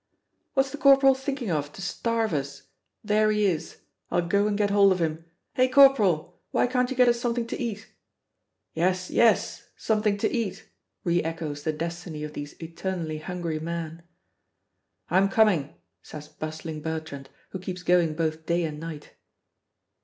"What's the corporal thinking of to starve us? There he is I'll go and get hold of him. Hey, corporal! Why can't you get us something to eat?" "Yes, yes something to eat!" re echoes the destiny of these eternally hungry men. "I'm coming," says bustling Bertrand, who keeps going both day and night.